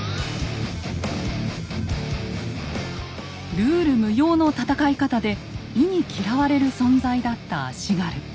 ルール無用の戦い方で忌み嫌われる存在だった足軽。